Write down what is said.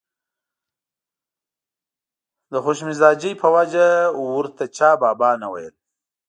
د خوش مزاجۍ په وجه ورته چا بابا نه ویل.